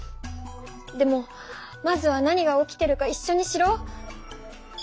でもまずは何が起きてるかいっしょに知ろう。